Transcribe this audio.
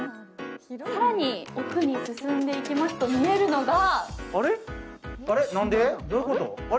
更に奥に進んでいきますと、見えるのが。